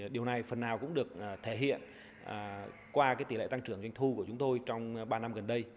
điều này phần nào cũng được thể hiện qua tỷ lệ tăng trưởng doanh thu của chúng tôi trong ba năm gần đây